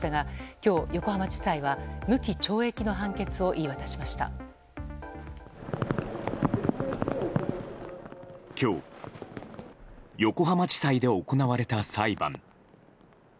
今日、横浜地裁で行われた裁判。